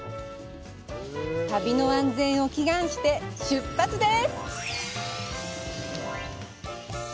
旅の安全を祈願して出発です。